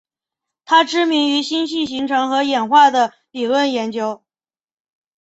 她知名于星系形成和演化的理论研究。